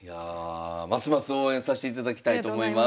ますます応援さしていただきたいと思います。